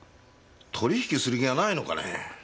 取引する気がないのかねえ？